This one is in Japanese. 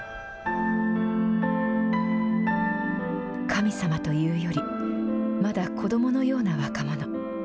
神様というより、まだ子どものような若者。